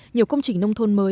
nhiều công trình nông thôn mới